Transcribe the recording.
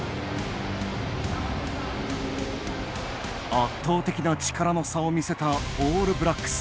圧倒的な力の差を見せたオールブラックス。